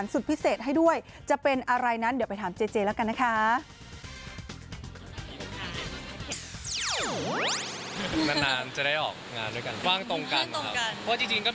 ไม่ทราบ